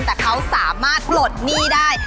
แต่เขาสามารถปลดหนี้ได้